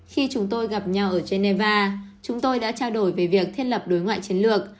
khi chúng tôi gặp nhau ở geneva chúng tôi đã trao đổi về việc thiết lập đối ngoại chiến lược